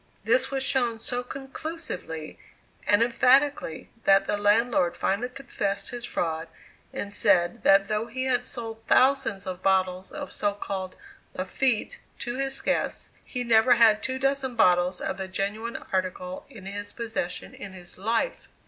This was shown so conclusively and emphatically that the landlord finally confessed his fraud, and said that though he had sold thousands of bottles of so called "Lafitte" to his guests, he never had two dozen bottles of the genuine article in his possession in his life!